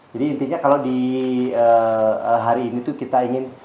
jadi intinya kalau di hari ini tuh kita ingin